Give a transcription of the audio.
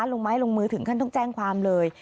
ลงไม้ลงมือถึงขั้นต้องแจ้งความเลย